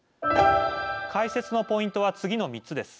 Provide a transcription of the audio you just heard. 解説のポイントは次の３つです。